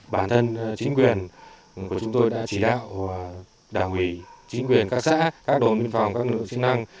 bản thân chính quyền của chúng tôi đã chỉ đạo đảng quỷ chính quyền các xã các đồn biên phòng các nữ chức năng